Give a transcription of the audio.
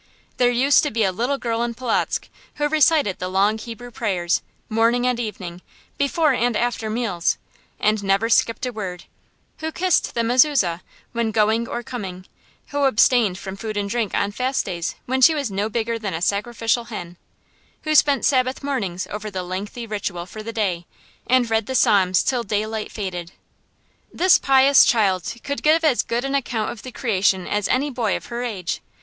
There used to be a little girl in Polotzk who recited the long Hebrew prayers, morning and evening, before and after meals, and never skipped a word; who kissed the mezuzah when going or coming; who abstained from food and drink on fast days when she was no bigger than a sacrificial hen; who spent Sabbath mornings over the lengthy ritual for the day, and read the Psalms till daylight failed. This pious child could give as good an account of the Creation as any boy of her age.